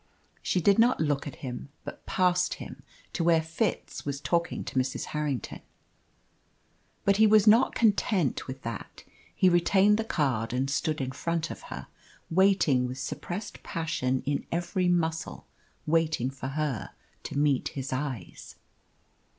She did not look at him, but past him; to where Fitz was talking to Mrs. Harrington. But he was not content with that. He retained the card and stood in front of her, waiting with suppressed passion in every muscle, waiting for her to meet his eyes.